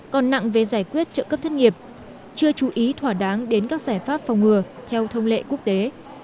còn nặng về giải quyết trợ cấp thất nghiệp chưa chú ý thỏa đáng đến các giải pháp phòng ngừa theo thông lệ quốc tế